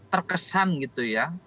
terkesan gitu ya